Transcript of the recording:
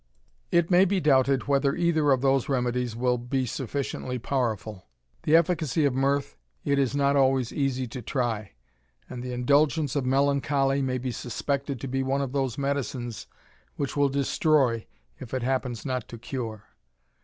It may be doubted whether either of those remedies will be sufficiently powerful. The efficacy of mirth it is not always easy to try, and the indulgence of melancholy may be suspected to be one of those medicines, which will destroy, if it happens not to cure.